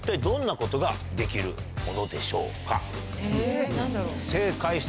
どんなことができるものでしょうか？